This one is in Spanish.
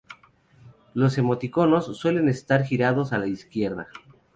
Los emoticonos suelen estar girados a la izquierda.